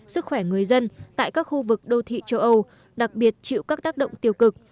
sức khỏe người dân tại các khu vực đô thị châu âu đặc biệt chịu các tác động tiêu cực